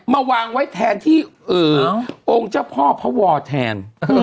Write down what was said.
มาวางไว้แทนที่องค์เจ้าพ่อพระวอแทน